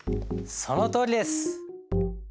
そのとおりです。